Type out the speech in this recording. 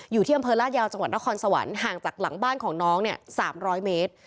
อยู่ที่อำเภอลาดยาวจังหวัดนครสวรรค์ห่างจากหลังบ้านของน้องเนี่ย๓๐๐เมตร